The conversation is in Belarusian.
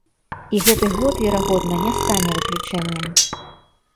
І гэты год, верагодна, не стане выключэннем.